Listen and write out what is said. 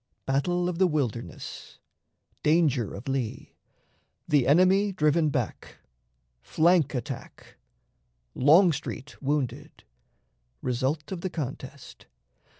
Battle of the Wilderness. Danger of Lee. The Enemy driven back. Flank Attack. Longstreet wounded. Result of the Contest.